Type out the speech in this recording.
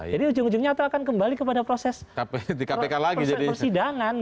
jadi ujung ujungnya akan kembali ke proses persidangan